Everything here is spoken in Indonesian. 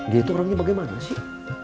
dia itu orangnya bagaimana sih